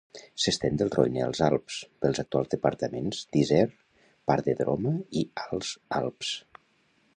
S'estén del Roine als Alps, pels actuals departaments d'Isère, part de Droma i Alts Alps.